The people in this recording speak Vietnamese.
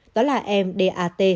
đó là em dat